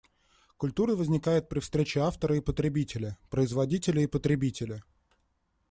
Культура возникает при встрече автора и потребителя, производителя и потребителя.